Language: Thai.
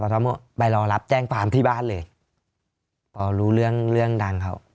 สวัสดีครับไปรอรับแจ้งความที่บ้านเลยเพราะรู้เรื่องเรื่องดังเขา